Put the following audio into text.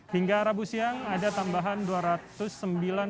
hingga rabu siang ada tambahan dua ratusan